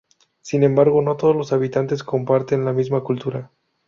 Sin embargo, no todos los habitantes comparten la misma cultura.